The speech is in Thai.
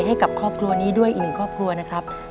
ให้กับครอบครัวนี้ด้วยอีกหนึ่งครอบครัวนะครับ